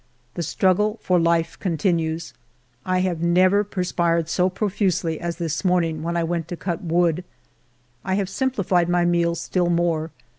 The struggle for life continues ; I have never perspired so profusely as this morning when I went to cut wood. I have simplified my meals still more.